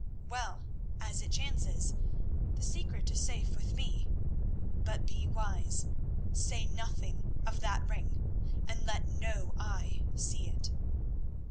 Well, as it chances, the secret is safe with me; but be wise; say nothing of that ring and let no eye see it."